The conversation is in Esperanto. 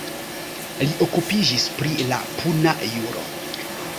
Li okupiĝis pri la puna juro.